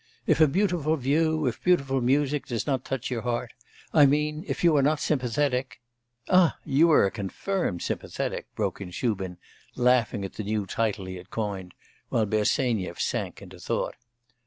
If a beautiful view, if beautiful music does not touch your heart; I mean, if you are not sympathetic ' 'Ah, you are a confirmed sympathetic!' broke in Shubin, laughing at the new title he had coined, while Bersenyev sank into thought.